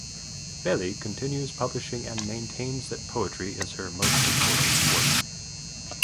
Belli continues publishing and maintains that poetry is her most important work.